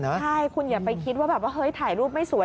ใช่คุณอย่าไปคิดว่าถ่ายรูปไม่สวย